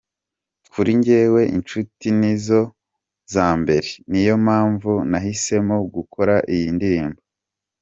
Kuri njyewe inshuti nizo za mbere niyo mpamvu nahisemo gukora iyi ndirimbo.